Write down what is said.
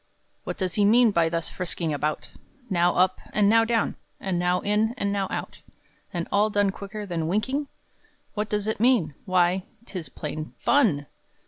What does he mean by thus frisking about, Now up and now down, and now in and now out, And all done quicker than winking? What does it mean? Why, 'tis plain fun!